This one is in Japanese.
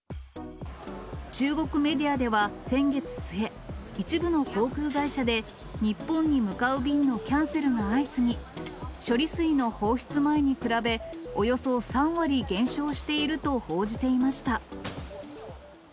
中国メディアでは先月末、一部の航空会社で、日本に向かう便のキャンセルが相次ぎ、処理水の放出前に比べ、およそ３割減少していると報じていました。